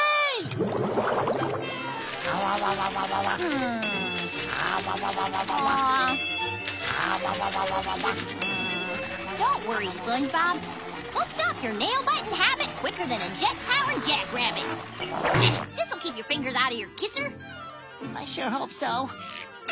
うん！ああ。